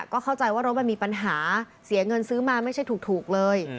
ก็เข้าใจว่ารถมันมีปัญหาเสียเงินซื้อมาไม่ใช่ถูกเลย